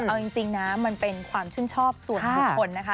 เอาจริงนะมันเป็นความชื่นชอบส่วนบุคคลนะคะ